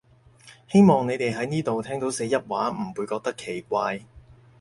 希望你哋喺呢度聽到四邑話唔會覺得奇怪